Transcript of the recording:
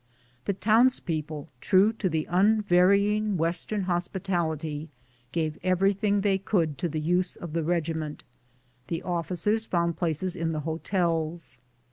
The towns people, true to the unvarying western hospitality, gave everything they could to the use of the regiment ; the officers found places in the hotels.